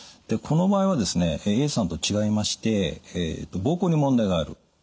でこの場合はですねＡさんと違いまして膀胱に問題がある。